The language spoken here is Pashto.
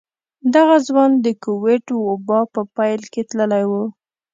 دغه ځوان د کوويډ وبا په پيل کې تللی و.